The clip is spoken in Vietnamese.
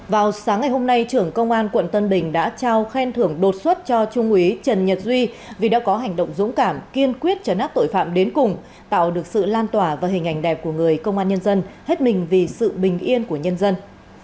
vào sáng ngày hôm nay trưởng công an quận tân bình đã trao khen thưởng đột xuất cho trung úy trần nhật duy vì đã có hành động dũng cảm kiên quyết trấn áp tội phạm đến cùng tạo được sự lan tỏa và hình ảnh đẹp của người công an nhân dân hết mình vì sự bình yên của nhân dân